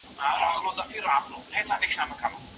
لکه ښه ورځ چي یې هیڅ نه وي لیدلې